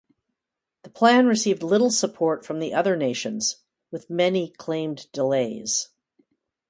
The plan received little support from the other nations, with many claimed delays.